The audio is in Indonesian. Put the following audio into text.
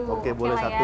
oke boleh satu